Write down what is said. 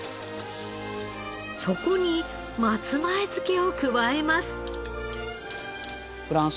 そこに松前漬けを加えます。